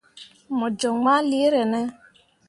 Mo joŋ ma leere ne ?